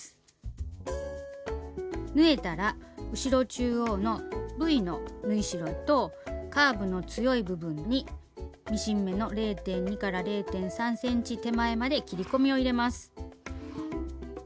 縫えたら後ろ中央のＶの縫い代とカーブの強い部分にミシン目の０．２０．３ｃｍ手前まで切り込みを入れます。